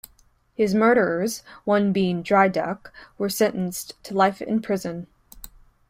His murderers, one being "Dry Duck", were sentenced to life in prison.